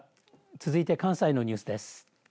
続いて、関西のニュースです。